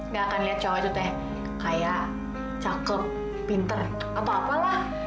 gak akan liat cowok cowoknya kayak cakep pinter apa apalah